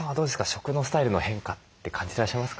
食のスタイルの変化って感じてらっしゃいますか？